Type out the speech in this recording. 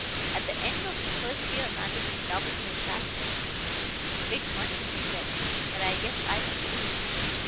At the end of the first year Manderson doubled my salary. 'It's big money,' he said, 'but I guess I don't lose.'